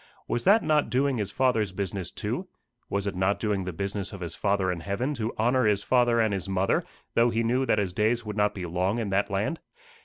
Was that not doing his Father's business too? Was it not doing the business of his Father in heaven to honour his father and his mother, though he knew that his days would not be long in that land?